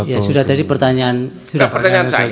ya sudah tadi pertanyaan saya